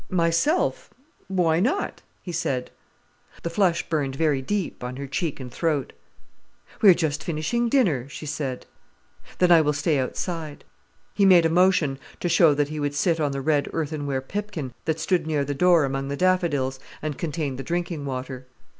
"Myself—why not?" he said. The flush burned very deep on her cheek and throat. "We are just finishing dinner," she said. "Then I will stay outside." He made a motion to show that he would sit on the red earthenware pipkin that stood near the door among the daffodils, and contained the drinking water.